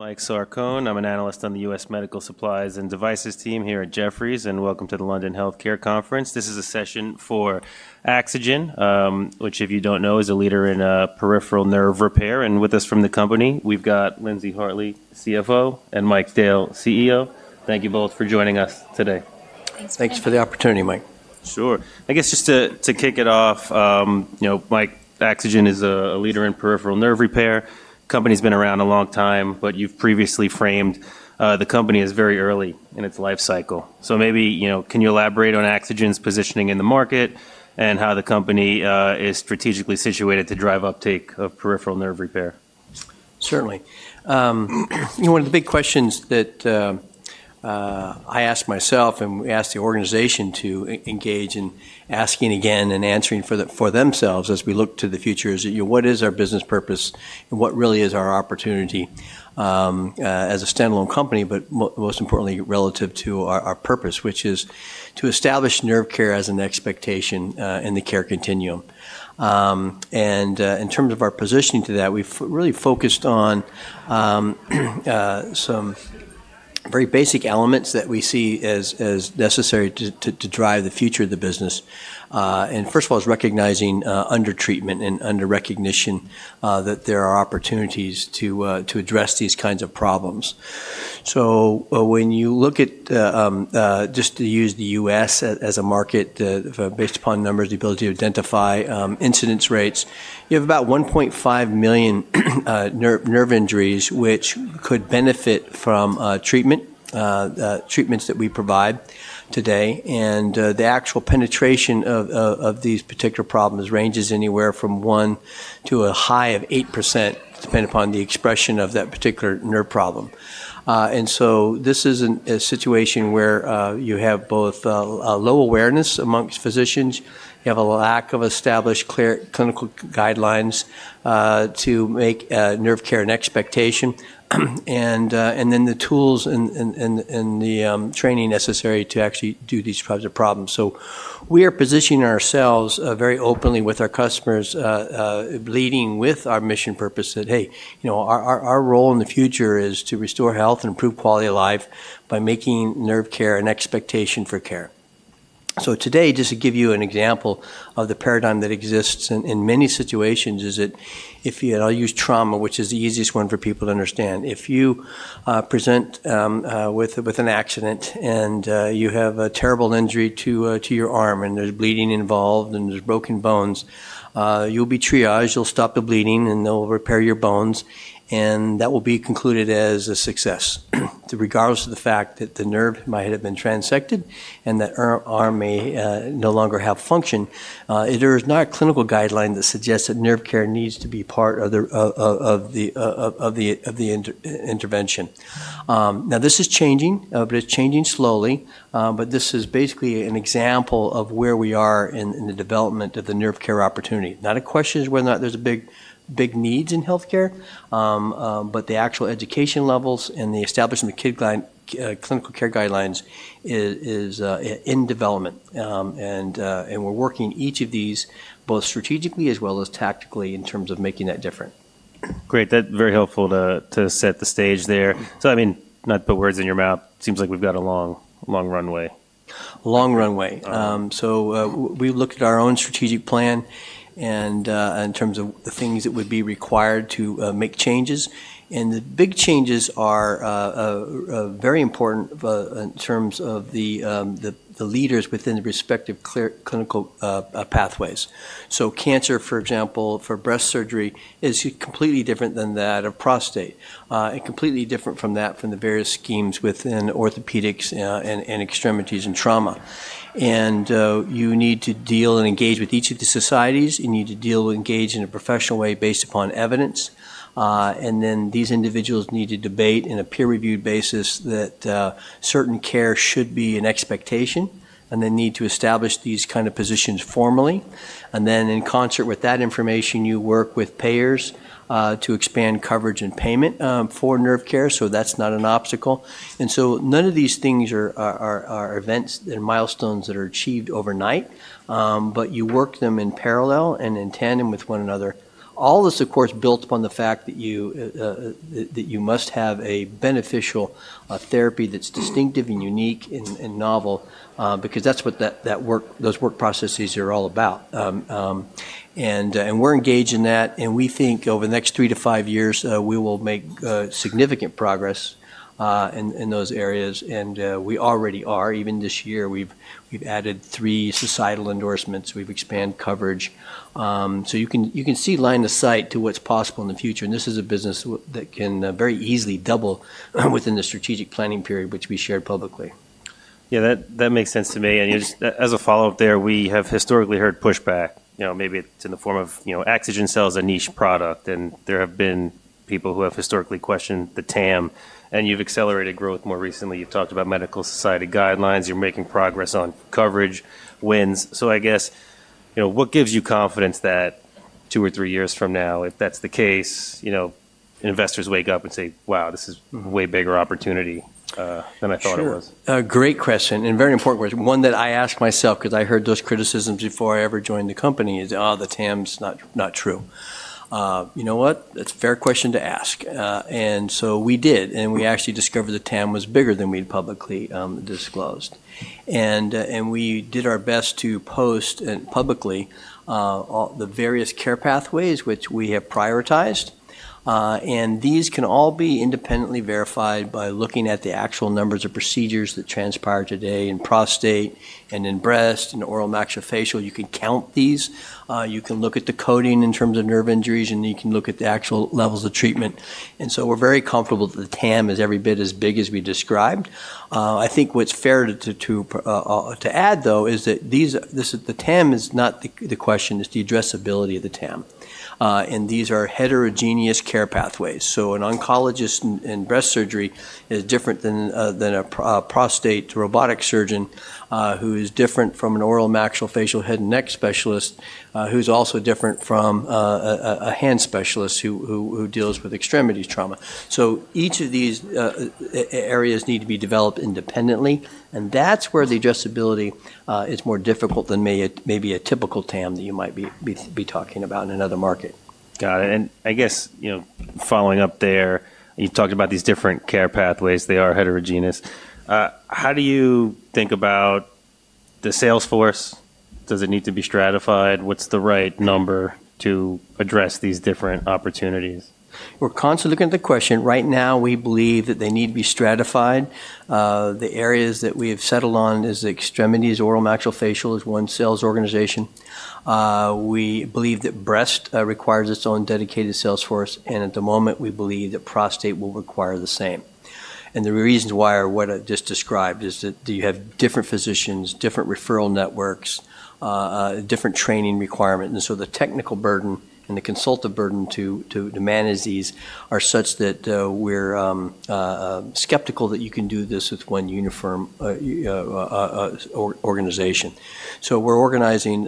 Mike Sarcone, I'm an analyst on the U.S. Medical Supplies and Devices team here at Jefferies, and welcome to the London Healthcare Conference. This is a session for Axogen, which, if you don't know, is a leader in peripheral nerve repair. And with us from the company, we've got Lindsey Hartley, CFO, and Mike Dale, CEO. Thank you both for joining us today. Thanks for the opportunity, Mike. Sure. I guess just to kick it off, you know, Mike, Axogen is a leader in peripheral nerve repair. The company's been around a long time, but you've previously framed the company as very early in its life cycle. Maybe, you know, can you elaborate on Axogen's positioning in the market and how the company is strategically situated to drive uptake of peripheral nerve repair? Certainly. You know, one of the big questions that I ask myself, and we ask the organization to engage in asking again and answering for themselves as we look to the future, is, you know, what is our business purpose and what really is our opportunity as a standalone company, but most importantly, relative to our purpose, which is to establish nerve care as an expectation in the care continuum. In terms of our positioning to that, we have really focused on some very basic elements that we see as necessary to drive the future of the business. First of all, it is recognizing under-treatment and under-recognition that there are opportunities to address these kinds of problems. When you look at, just to use the U.S As a market, based upon numbers, the ability to identify incidence rates, you have about 1.5 million nerve injuries which could benefit from treatment, treatments that we provide today. The actual penetration of these particular problems ranges anywhere from 1% to a high of 8%, depending upon the expression of that particular nerve problem. This is a situation where you have both low awareness amongst physicians, you have a lack of established clinical guidelines to make nerve care an expectation, and then the tools and the training necessary to actually do these types of problems. We are positioning ourselves very openly with our customers, leading with our mission purpose that, hey, you know, our role in the future is to restore health and improve quality of life by making nerve care an expectation for care. Today, just to give you an example of the paradigm that exists in many situations is that, if you, and I'll use trauma, which is the easiest one for people to understand, if you present with an accident and you have a terrible injury to your arm and there's bleeding involved and there's broken bones, you'll be triaged, you'll stop the bleeding, and they'll repair your bones, and that will be concluded as a success. Regardless of the fact that the nerve might have been transected and that arm may no longer have function, there is not a clinical guideline that suggests that nerve care needs to be part of the intervention. Now, this is changing, but it's changing slowly, but this is basically an example of where we are in the development of the nerve care opportunity. Not a question as to whether or not there's a big need in healthcare, but the actual education levels and the establishment of clinical care guidelines is in development. We are working each of these both strategically as well as tactically in terms of making that different. Great. That's very helpful to set the stage there. I mean, not to put words in your mouth, it seems like we've got a long runway. Long runway. We looked at our own strategic plan and in terms of the things that would be required to make changes. The big changes are very important in terms of the leaders within the respective clinical pathways. Cancer, for example, for breast surgery is completely different than that of prostate. Completely different from that from the various schemes within orthopedics and extremities and trauma. You need to deal and engage with each of the societies, you need to deal and engage in a professional way based upon evidence. These individuals need to debate on a peer-reviewed basis that certain care should be an expectation, and they need to establish these kinds of positions formally. In concert with that information, you work with payers to expand coverage and payment for nerve care, so that's not an obstacle. None of these things are events and milestones that are achieved overnight, but you work them in parallel and in tandem with one another. All this, of course, is built upon the fact that you must have a beneficial therapy that's distinctive and unique and novel, because that's what those work processes are all about. We're engaged in that, and we think over the next three to five years, we will make significant progress in those areas. We already are. Even this year, we've added three societal endorsements, we've expanded coverage. You can see line of sight to what's possible in the future. This is a business that can very easily double within the strategic planning period, which we shared publicly. Yeah, that makes sense to me. Just as a follow-up there, we have historically heard pushback. You know, maybe it's in the form of, you know, Axogen is a niche product, and there have been people who have historically questioned the TAM. You have accelerated growth more recently. You have talked about medical society guidelines, you are making progress on coverage wins. I guess, you know, what gives you confidence that two or three years from now, if that's the case, you know, investors wake up and say, "Wow, this is a way bigger opportunity than I thought it was"? Sure. Great question. Very important question. One that I ask myself, because I heard those criticisms before I ever joined the company, is, "Oh, the TAM's not true." You know what? That's a fair question to ask. We did, and we actually discovered the TAM was bigger than we'd publicly disclosed. We did our best to post publicly the various care pathways which we have prioritized. These can all be independently verified by looking at the actual numbers of procedures that transpire today in prostate and in breast and oral maxillofacial. You can count these. You can look at the coding in terms of nerve injuries, and you can look at the actual levels of treatment. We're very comfortable that the TAM is every bit as big as we described. I think what's fair to add, though, is that the TAM is not the question, it's the addressability of the TAM. These are heterogeneous care pathways. An oncologist in breast surgery is different than a prostate robotic surgeon who is different from an oral maxillofacial head and neck specialist who's also different from a hand specialist who deals with extremities trauma. Each of these areas need to be developed independently. That's where the addressability is more difficult than maybe a typical TAM that you might be talking about in another market. Got it. I guess, you know, following up there, you talked about these different care pathways, they are heterogeneous. How do you think about the salesforce? Does it need to be stratified? What's the right number to address these different opportunities? We're constantly looking at the question. Right now, we believe that they need to be stratified. The areas that we have settled on are extremities, oral maxillofacial is one sales organization. We believe that breast requires its own dedicated salesforce, and at the moment, we believe that prostate will require the same. The reasons why are what I just described, is that you have different physicians, different referral networks, different training requirements. The technical burden and the consultant burden to manage these are such that we're skeptical that you can do this with one uniform organization. We're organizing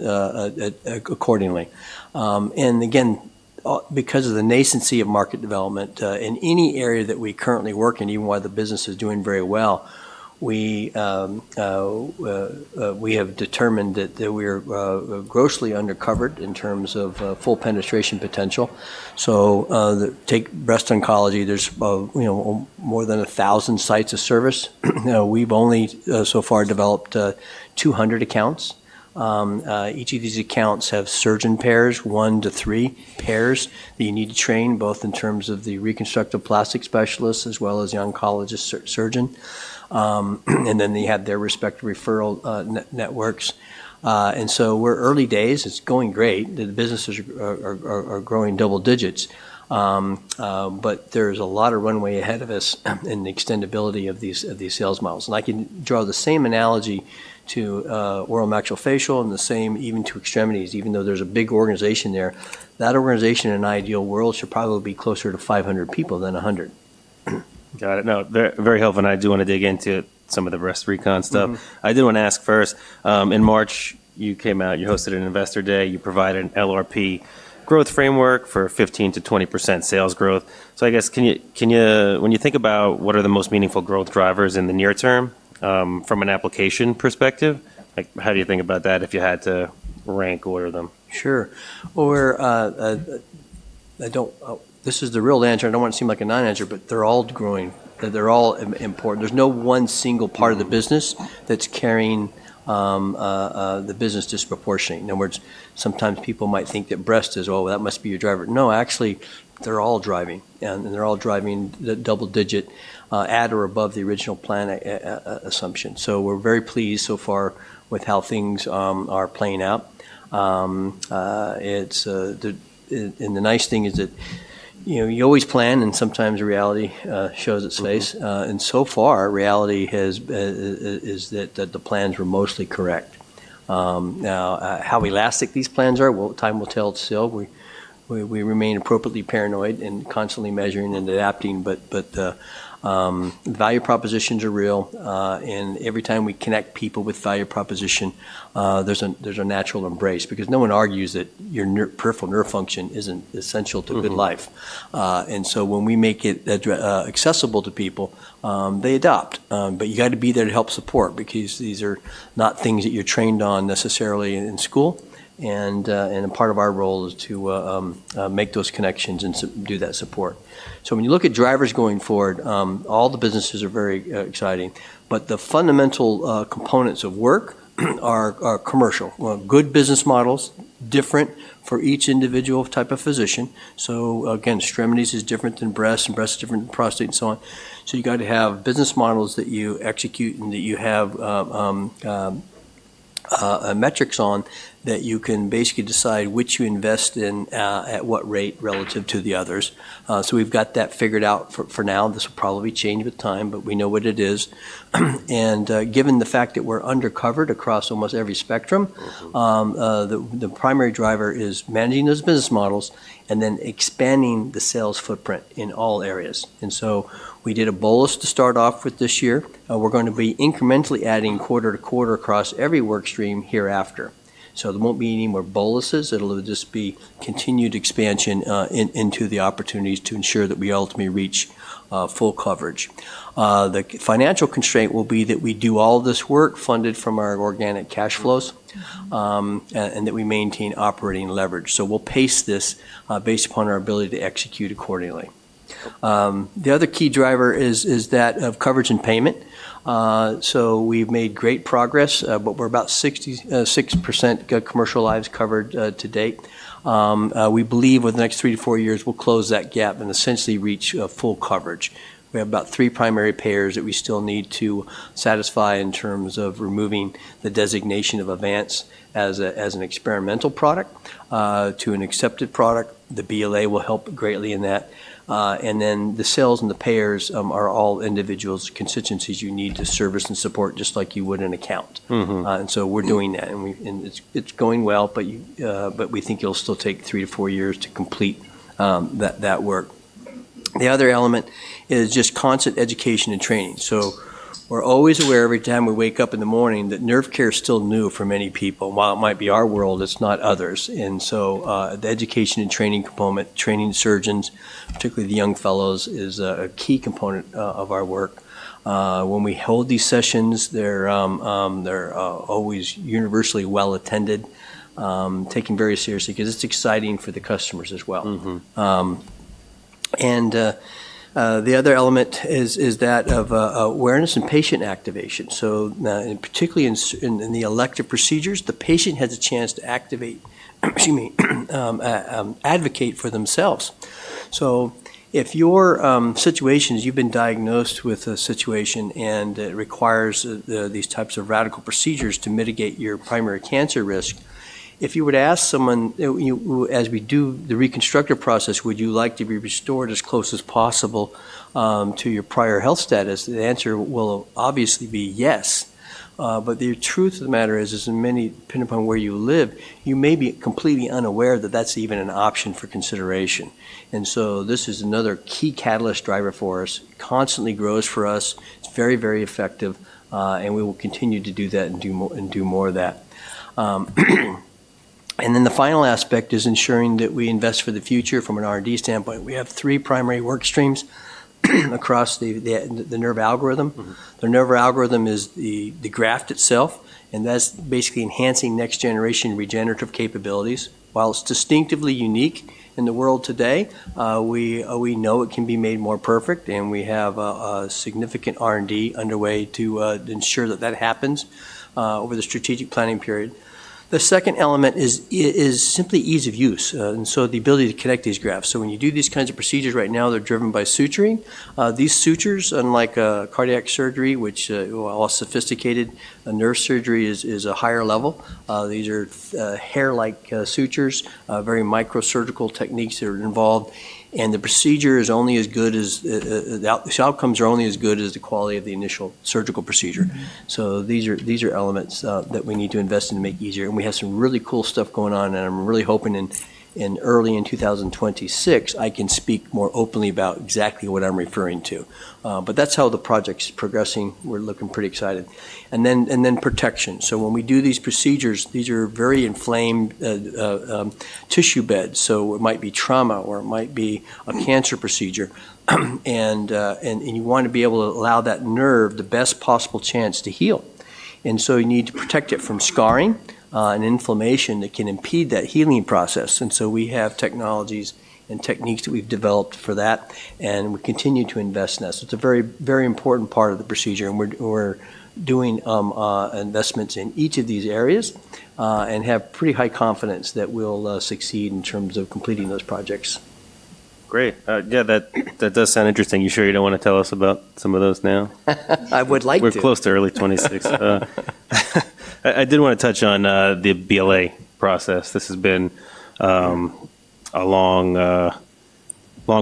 accordingly. Again, because of the nascency of market development in any area that we currently work in, even while the business is doing very well, we have determined that we are grossly undercovered in terms of full penetration potential. Take breast oncology, there's, you know, more than 1,000 sites of service. We've only so far developed 200 accounts. Each of these accounts have surgeon pairs, one to three pairs that you need to train, both in terms of the reconstructive plastic specialist as well as the oncologist surgeon. They have their respective referral networks. We're early days, it's going great, the businesses are growing double digits, but there's a lot of runway ahead of us in the extendability of these sales models. I can draw the same analogy to oral maxillofacial and the same even to extremities, even though there's a big organization there. That organization, in an ideal world, should probably be closer to 500 people than 100. Got it. Now, very helpful, and I do want to dig into some of the breast recon stuff. I did want to ask first, in March, you came out, you hosted an investor day, you provided an LRP growth framework for 15%-20% sales growth. So I guess, can you, when you think about what are the most meaningful growth drivers in the near term from an application perspective, like how do you think about that if you had to rank order them? Sure. This is the real answer, and I do not want to seem like a non-answer, but they are all growing. They are all important. There is no one single part of the business that is carrying the business disproportionately. In other words, sometimes people might think that breast is, "Oh, that must be your driver." No, actually, they are all driving. They are all driving the double-digit at or above the original plan assumption. We are very pleased so far with how things are playing out. The nice thing is that, you know, you always plan, and sometimes reality shows its face. So far, reality is that the plans were mostly correct. How elastic these plans are, time will tell still. We remain appropriately paranoid and constantly measuring and adapting, but value propositions are real. Every time we connect people with value proposition, there's a natural embrace, because no one argues that your peripheral nerve function isn't essential to good life. When we make it accessible to people, they adopt. You got to be there to help support, because these are not things that you're trained on necessarily in school. Part of our role is to make those connections and do that support. When you look at drivers going forward, all the businesses are very exciting, but the fundamental components of work are commercial. Good business models, different for each individual type of physician. Again, extremities is different than breast, and breast is different than prostate, and so on. You got to have business models that you execute and that you have metrics on that you can basically decide which you invest in at what rate relative to the others. We've got that figured out for now. This will probably change with time, but we know what it is. Given the fact that we're undercovered across almost every spectrum, the primary driver is managing those business models and then expanding the sales footprint in all areas. We did a bolus to start off with this year. We're going to be incrementally adding quarter to quarter across every workstream hereafter. There won't be any more boluses, it'll just be continued expansion into the opportunities to ensure that we ultimately reach full coverage. The financial constraint will be that we do all this work funded from our organic cash flows and that we maintain operating leverage. We will pace this based upon our ability to execute accordingly. The other key driver is that of coverage and payment. We have made great progress, but we are about 66% commercial lives covered to date. We believe within the next three to four years, we will close that gap and essentially reach full coverage. We have about three primary payers that we still need to satisfy in terms of removing the designation of Avance as an experimental product to an accepted product. The BLA will help greatly in that. The sales and the payers are all individuals' constituencies you need to service and support just like you would an account. We're doing that, and it's going well, but we think it'll still take three to four years to complete that work. The other element is just constant education and training. We're always aware every time we wake up in the morning that nerve care is still new for many people. While it might be our world, it's not others. The education and training component, training surgeons, particularly the young fellows, is a key component of our work. When we hold these sessions, they're always universally well attended, taken very seriously, because it's exciting for the customers as well. The other element is that of awareness and patient activation. Particularly in the elective procedures, the patient has a chance to advocate for themselves. If your situation is, you've been diagnosed with a situation and it requires these types of radical procedures to mitigate your primary cancer risk, if you were to ask someone, as we do the reconstructive process, "Would you like to be restored as close as possible to your prior health status?" the answer will obviously be yes. The truth of the matter is, as many depend upon where you live, you may be completely unaware that that's even an option for consideration. This is another key catalyst driver for us, constantly grows for us, it's very, very effective, and we will continue to do that and do more of that. The final aspect is ensuring that we invest for the future from an R&D standpoint. We have three primary workstreams across the nerve algorithm. The nerve algorithm is the graft itself, and that's basically enhancing next generation regenerative capabilities. While it's distinctively unique in the world today, we know it can be made more perfect, and we have significant R&D underway to ensure that that happens over the strategic planning period. The second element is simply ease of use, and the ability to connect these grafts. When you do these kinds of procedures right now, they're driven by suturing. These sutures, unlike cardiac surgery, which are all sophisticated, nerve surgery is a higher level. These are hair-like sutures, very microsurgical techniques that are involved, and the procedure is only as good as the outcomes are only as good as the quality of the initial surgical procedure. These are elements that we need to invest in to make easier. We have some really cool stuff going on, and I'm really hoping in early in 2026, I can speak more openly about exactly what I'm referring to. That is how the project's progressing. We're looking pretty excited. Protection. When we do these procedures, these are very inflamed tissue beds, so it might be trauma or it might be a cancer procedure, and you want to be able to allow that nerve the best possible chance to heal. You need to protect it from scarring and inflammation that can impede that healing process. We have technologies and techniques that we've developed for that, and we continue to invest in that. It is a very, very important part of the procedure, and we're doing investments in each of these areas and have pretty high confidence that we'll succeed in terms of completing those projects. Great. Yeah, that does sound interesting. You sure you don't want to tell us about some of those now? I would like to. We're close to early 2026. I did want to touch on the BLA process. This has been a long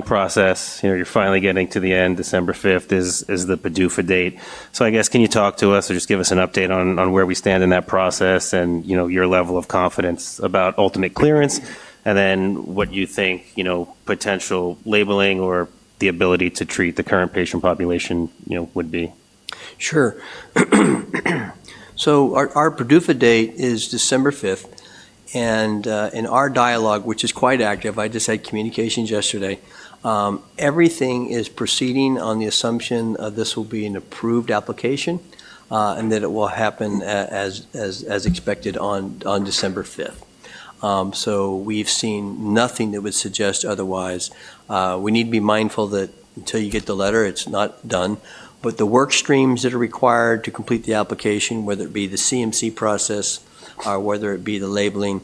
process. You're finally getting to the end, December 5 is the PDUFA date. I guess, can you talk to us or just give us an update on where we stand in that process and your level of confidence about ultimate clearance, and then what you think potential labeling or the ability to treat the current patient population would be? Sure. Our PDUFA date is December 5th, and in our dialogue, which is quite active, I just had communications yesterday. Everything is proceeding on the assumption this will be an approved application and that it will happen as expected on December 5th. We have seen nothing that would suggest otherwise. We need to be mindful that until you get the letter, it's not done. The workstreams that are required to complete the application, whether it be the CMC process, whether it be the labeling,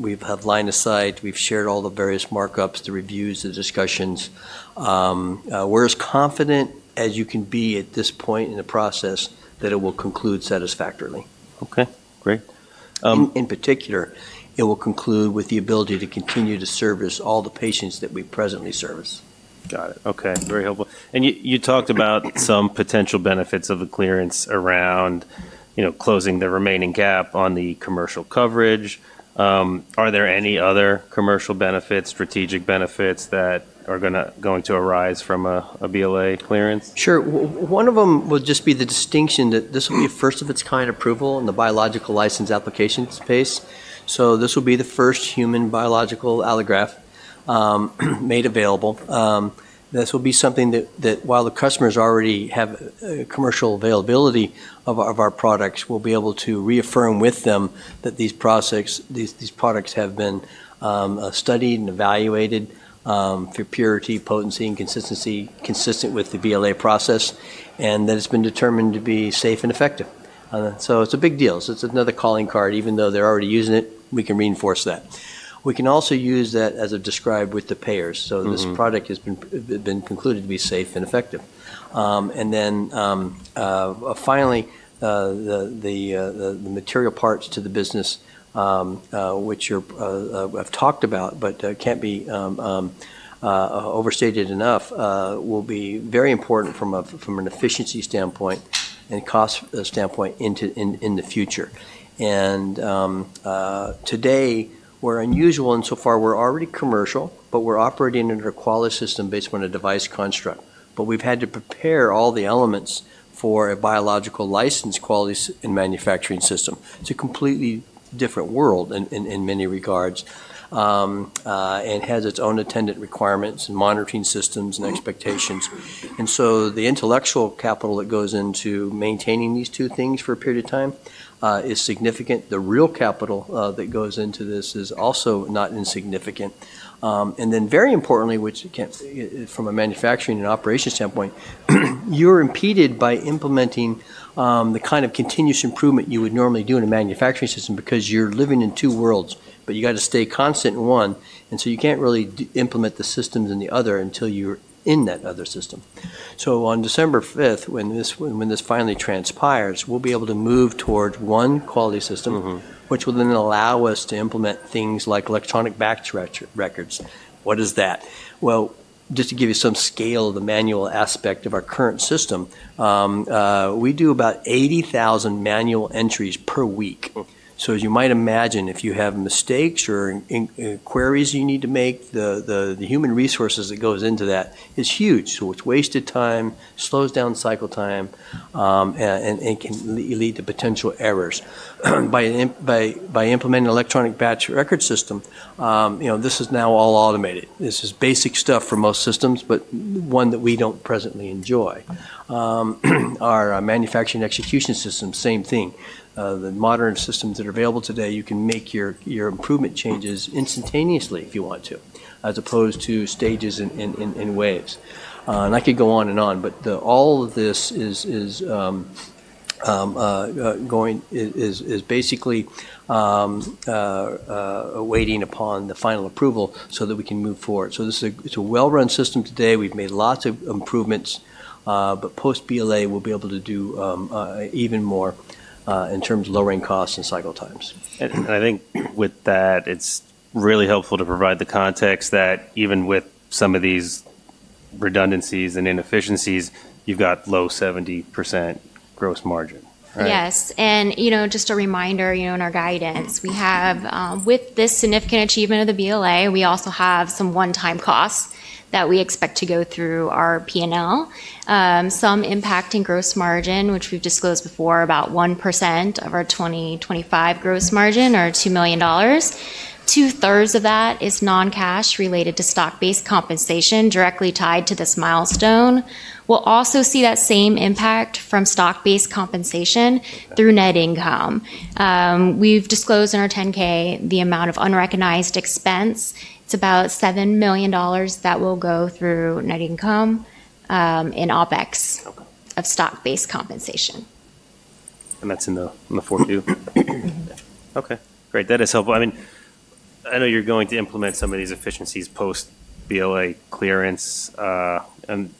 we have lined a site, we have shared all the various markups, the reviews, the discussions. We are as confident as you can be at this point in the process that it will conclude satisfactorily. Okay, great. In particular, it will conclude with the ability to continue to service all the patients that we presently service. Got it. Okay, very helpful. You talked about some potential benefits of a clearance around closing the remaining gap on the commercial coverage. Are there any other commercial benefits, strategic benefits that are going to arise from a BLA clearance? Sure. One of them will just be the distinction that this will be a first of its kind approval in the Biologics License Application space. This will be the first human biological allograft made available. This will be something that, while the customers already have commercial availability of our products, we'll be able to reaffirm with them that these products have been studied and evaluated for purity, potency, and consistency consistent with the BLA process, and that it's been determined to be safe and effective. It's a big deal. It's another calling card. Even though they're already using it, we can reinforce that. We can also use that as I've described with the payers. This product has been concluded to be safe and effective. Finally, the material parts to the business, which I've talked about but can't be overstated enough, will be very important from an efficiency standpoint and cost standpoint in the future. Today, we're unusual insofar we're already commercial, but we're operating under a quality system based on a device construct. We've had to prepare all the elements for a biologics license quality and manufacturing system. It's a completely different world in many regards and has its own attendant requirements and monitoring systems and expectations. The intellectual capital that goes into maintaining these two things for a period of time is significant. The real capital that goes into this is also not insignificant. Very importantly, from a manufacturing and operation standpoint, you're impeded by implementing the kind of continuous improvement you would normally do in a manufacturing system because you're living in two worlds, but you got to stay constant in one. You can't really implement the systems in the other until you're in that other system. On December 5th, when this finally transpires, we'll be able to move toward one quality system, which will then allow us to implement things like electronic batch records. What is that? Just to give you some scale of the manual aspect of our current system, we do about 80,000 manual entries per week. As you might imagine, if you have mistakes or queries you need to make, the human resources that goes into that is huge. It is wasted time, slows down cycle time, and can lead to potential errors. By implementing an electronic batch record system, this is now all automated. This is basic stuff for most systems, but one that we do not presently enjoy. Our manufacturing execution system, same thing. The modern systems that are available today, you can make your improvement changes instantaneously if you want to, as opposed to stages and waves. I could go on and on, but all of this is basically waiting upon the final approval so that we can move forward. It is a well-run system today. We have made lots of improvements, but post-BLA, we will be able to do even more in terms of lowering costs and cycle times. I think with that, it's really helpful to provide the context that even with some of these redundancies and inefficiencies, you've got low 70% gross margin, right? Yes. Just a reminder in our guidance, with this significant achievement of the BLA, we also have some one-time costs that we expect to go through our P&L, some impacting gross margin, which we've disclosed before, about 1% of our 2025 gross margin or $2 million. Two-thirds of that is non-cash related to stock-based compensation directly tied to this milestone. We'll also see that same impact from stock-based compensation through net income. We've disclosed in our 10-K the amount of unrecognized expense. It's about $7 million that will go through net income in OpEx of stock-based compensation. That's in the form too? Okay, great. That is helpful. I mean, I know you're going to implement some of these efficiencies post-BLA clearance. I don't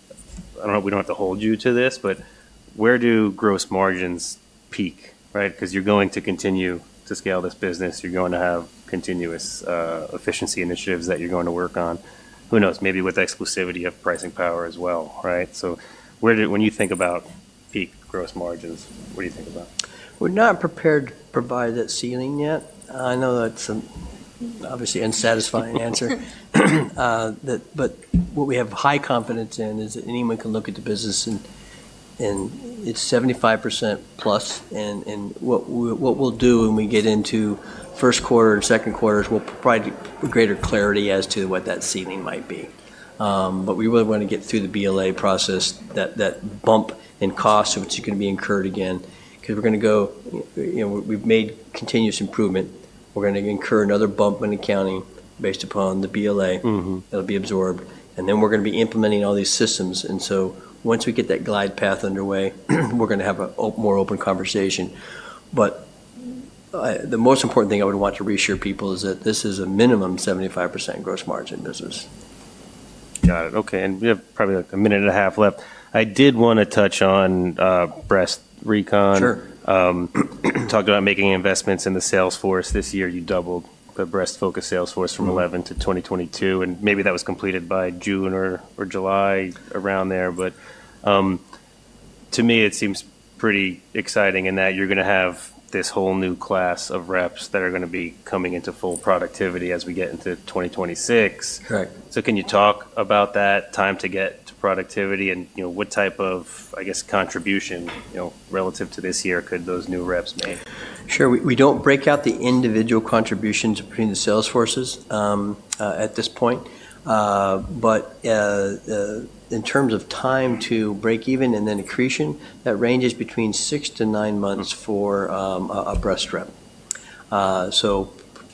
know if we don't have to hold you to this, but where do gross margins peak, right? Because you're going to continue to scale this business. You're going to have continuous efficiency initiatives that you're going to work on. Who knows? Maybe with exclusivity of pricing power as well, right? When you think about peak gross margins, what do you think about? We're not prepared to provide that ceiling yet. I know that's obviously an unsatisfying answer. What we have high confidence in is that anyone can look at the business, and it's 75% plus. What we'll do when we get into first quarter and second quarter is we'll provide greater clarity as to what that ceiling might be. We really want to get through the BLA process, that bump in costs which is going to be incurred again, because we've made continuous improvement. We're going to incur another bump in accounting based upon the BLA that'll be absorbed. We're going to be implementing all these systems. Once we get that glide path underway, we're going to have a more open conversation. The most important thing I would want to reassure people is that this is a minimum 75% gross margin business. Got it. Okay. We have probably a minute and a half left. I did want to touch on Breast Recon. Sure. Talked about making investments in the Salesforce. This year, you doubled the breast-focused Salesforce from 11 to 2022. Maybe that was completed by June or July around there. To me, it seems pretty exciting in that you're going to have this whole new class of reps that are going to be coming into full productivity as we get into 2026. Can you talk about that time to get to productivity and what type of, I guess, contribution relative to this year could those new reps make? Sure. We do not break out the individual contributions between the Salesforces at this point. In terms of time to break even and then accretion, that ranges between six to nine months for a breast rep.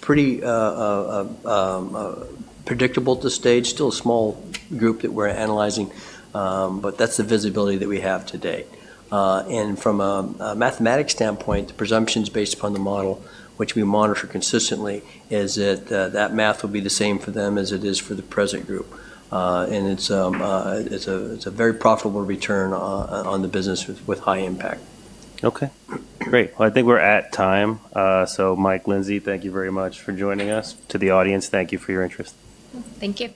Pretty predictable at this stage. Still a small group that we are analyzing, but that is the visibility that we have today. From a mathematics standpoint, the presumptions based upon the model, which we monitor consistently, is that that math will be the same for them as it is for the present group. It is a very profitable return on the business with high impact. Okay, great. I think we're at time. Mike, Lindsey, thank you very much for joining us. To the audience, thank you for your interest. Thank you.